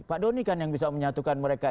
pak doni kan yang bisa menyatukan mereka